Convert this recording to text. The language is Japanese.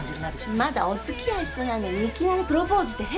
まだお付き合いしてないのにいきなりプロポーズって変でしょう？